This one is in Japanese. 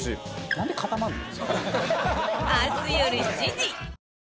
なんで固まるの？